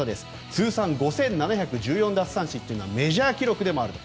通算５７１４奪三振というのはメジャー記録でもある。